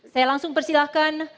saya langsung persilahkan